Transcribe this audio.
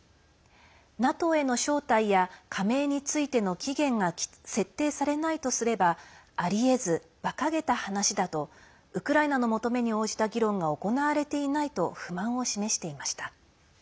ＮＡＴＯへの招待や加盟についての期限が設定されないとすればありえずばかげた話だとウクライナの求めに応じた議論が行われていないと不満を示していました。